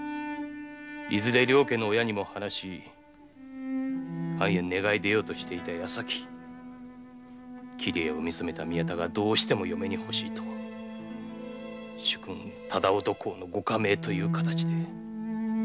いずれ両家の親にも話し藩へ願い出ようとしていた矢先桐江を見初めた宮田が嫁にと主君の御下命という形で。